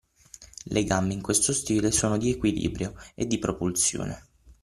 Le gambe in questo stile sono di “equilibrio” e di propulsione